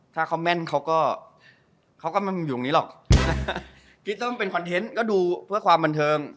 ถ้าเขาแม่นเขาก็เขาก็ไม่อยู่ตรงนี้หรอกกี้ต้องเป็นคอนเทนต์ก็ดูเพื่อความบันเทิง